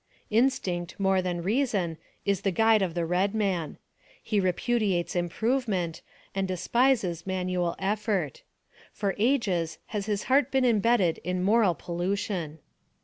Instinct, more than reason, is the guide of the red man. He repudiates improvement, and despises man ual effort. For ages has his heart been imbedded in moral pollution.